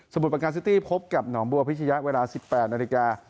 สมุทรประการซิตี้พบกับหน่อมบัวพิชยะเวลา๑๘นาที